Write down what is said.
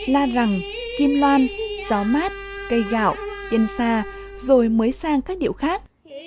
la rằng kim loan gió mát cây gạo tiên sa rồi mới sang các điệu khác